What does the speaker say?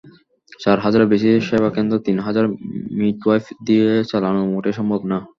চার হাজারের বেশি সেবাকেন্দ্রে তিন হাজার মিডওয়াইফ দিয়ে চালানো মোটেই সম্ভব না।